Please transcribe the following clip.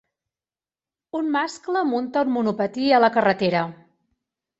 Un mascle munta un monopatí a la carretera.